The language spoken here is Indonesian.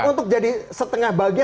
untuk jadi setengah bahagia